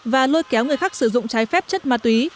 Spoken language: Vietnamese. và lôi kéo người khác sử dụng trái phép chất ma túy